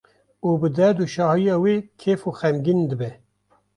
û bi derd û şahiya we kêf û xemgîn bibe.